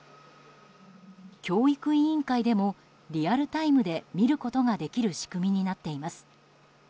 教育委員会でもリアルタイムで見ることができる仕組みになっています。